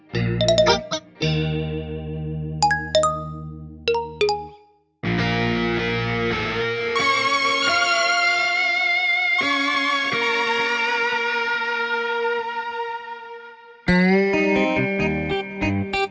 pak yakan zak jatan